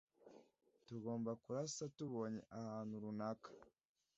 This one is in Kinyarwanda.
tugomba kurasa tubonye ahantu runaka